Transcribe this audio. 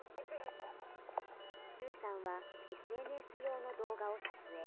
ＲＵさんは、ＳＮＳ用の動画を撮影。